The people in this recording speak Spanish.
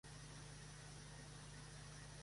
That I sent from above.